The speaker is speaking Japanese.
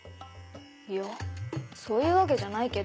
いやそういうわけじゃないけど。